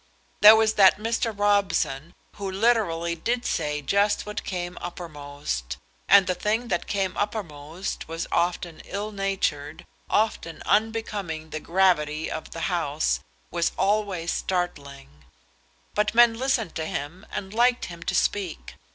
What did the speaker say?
There was that Mr. Robson, who literally did say just what came uppermost; and the thing that came uppermost was often ill natured, often unbecoming the gravity of the House, was always startling; but men listened to him and liked him to speak.